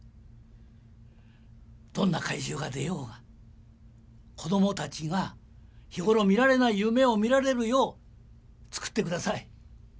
どんな怪獣が出ようが子供たちが日頃見られない夢を見られるよう作ってください。